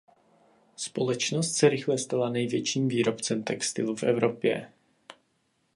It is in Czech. Společnost se rychle stala největším výrobcem textilu v Evropě.